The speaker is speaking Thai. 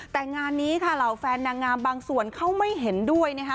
แต่งานนี้ค่ะเหล่าแฟนนางงามบางส่วนเขาไม่เห็นด้วยนะคะ